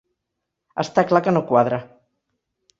Està clar que no quadra.